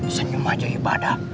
senyum aja ibadah